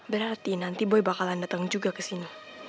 berarti nanti boy bakalan datang juga ke sini